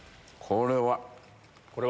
「これは」？